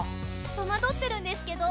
とまどってるんですけど。